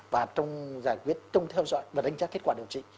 và trong giải quyết trong theo dõi và đánh giá kết quả điều trị